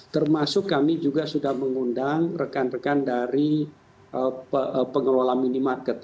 termasuk kami juga sudah mengundang rekan rekan dari pengelola minimarket